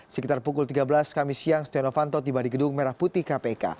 sekitar pukul tiga belas kami siang setia novanto tiba di gedung merah putih kpk